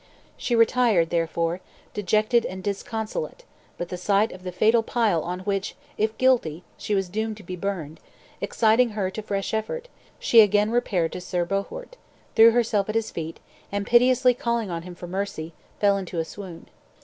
She retired, therefore, dejected and disconsolate; but the sight of the fatal pile on which, if guilty, she was doomed to be burned, exciting her to fresh effort, she again repaired to Sir Bohort, threw herself at his feet, and piteously calling on him for mercy, fell into a swoon.